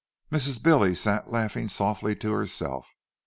Mrs. Billy sat laughing softly to herself.